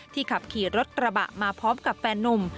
ขับขี่รถกระบะมาพร้อมกับแฟนนุ่ม